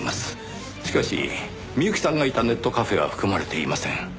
しかし美由紀さんがいたネットカフェは含まれていません。